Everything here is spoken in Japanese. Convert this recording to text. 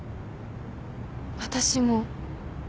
私も。